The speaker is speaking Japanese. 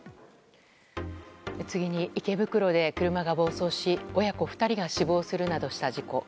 次に、池袋で車が暴走し親子２人が死亡するなどした事故。